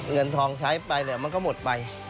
เงินทองใช้ไปมันก็หมดไป